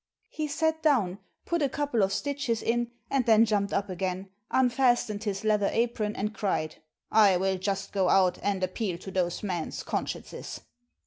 He sat down, put a couple of stitches in, and then jumped up again, unfastened his leather apron, and cried, "I will just go out, and appeal to those men's consciences."